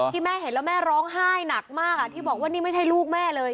ที่แม่เห็นแล้วแม่ร้องไห้หนักมากที่บอกว่านี่ไม่ใช่ลูกแม่เลย